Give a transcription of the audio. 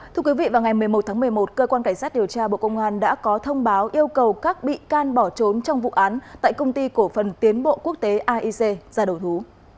thưa quý vị vào ngày một mươi một tháng một mươi một cơ quan cảnh sát điều tra bộ công an đã có thông báo yêu cầu các bị can bỏ trốn trong vụ án tại công ty cổ phần tiến bộ quốc tế aic ra đầu thú